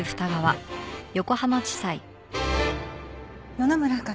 野々村翔